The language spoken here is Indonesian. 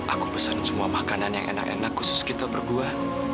aku pesen semua makanan yang enak enak khusus kita berdua